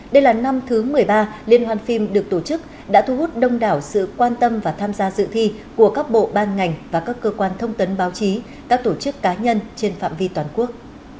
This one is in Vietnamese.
đây là năm thứ một mươi ba liên hoàn phim được tổ chức đã thu hút đông đảo sự quan tâm và tham gia dự thi của các bộ ban ngành và các cơ quan thông tấn báo chí các tổ chức cá nhân trên phạm vi toàn quốc